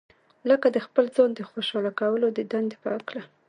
لکه د خپل ځان د خوشاله کولو د دندې په هکله.